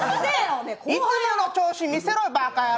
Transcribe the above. いつもの調子見せろこの野郎。